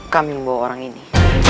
kami membawa orang ini